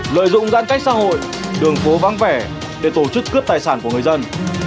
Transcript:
lợi dụng giãn cách xã hội đường phố vắng vẻ để tổ chức cướp tài sản của người dân